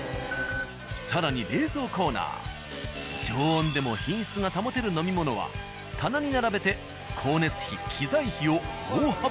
更に冷蔵コーナー常温でも品質が保てる飲み物は棚に並べて光熱費機材費を大幅カット。